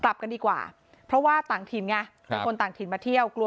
กลับกันดีกว่าเพราะว่าต่างถิ่นไงเป็นคนต่างถิ่นมาเที่ยวกลัว